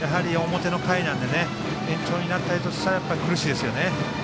表の回なので延長にならないとしたら苦しいですよね。